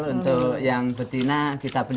untuk yang betina kita beli